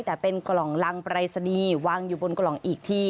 แต่เป็นกล่องรังปรายศนีย์วางอยู่บนกล่องอีกที